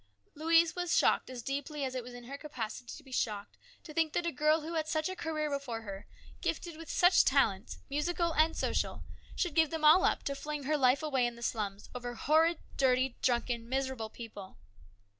Louise was shocked as deeply as it was in her capacity to be shocked to think that a girl who had such a career before her, gifted with such talents, musical and social, should give them all up to fling her life away in the slums over horrid, dirty, drunken, miserable people.